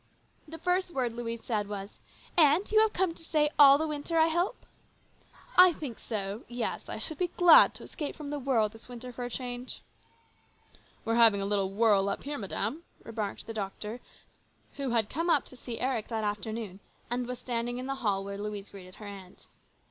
The first word Louise said was, " Aunt, you have come to stay all the winter, I hope ?" "I think so. Yes, I should be glad to escape from the whirl this winter for a change." "We're having a little 'whirl' up here, madam," remarked the doctor, who had come up to see Eric that afternoon, and was standing in the hall where Louise greeted her aunt.